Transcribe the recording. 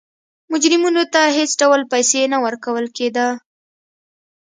مجرمینو ته هېڅ ډول پیسې نه ورکول کېده.